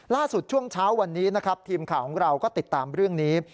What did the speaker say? ช่วงเช้าวันนี้นะครับทีมข่าวของเราก็ติดตามเรื่องนี้